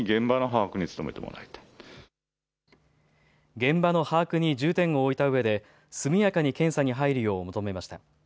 現場の把握に重点を置いたうえで速やかに検査に入るよう求めました。